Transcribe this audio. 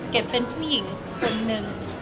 เกะเป็นผู้หญิงคนนึง